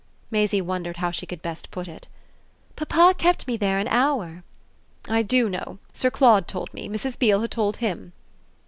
Maisie wondered how she could best put it. "Papa kept me there an hour." "I do know Sir Claude told me. Mrs. Beale had told him."